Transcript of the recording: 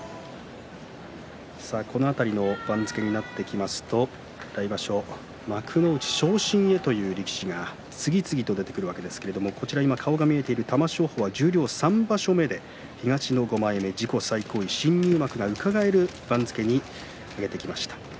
この辺りの番付になってきますと来場所、幕内昇進へという力士が次々と出てくるわけですが玉正鳳は十両３場所目、東の５枚目、自己最高位新入幕がうかがえる番付に上げてきました。